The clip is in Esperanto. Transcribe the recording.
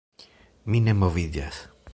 Mi ne moviĝas.